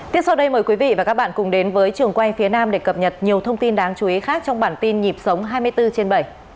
tiếp sau đây mời quý vị và các bạn cùng đến với trường quay phía nam để cập nhật nhiều thông tin đáng chú ý khác trong bản tin nhịp sống hai mươi bốn trên bảy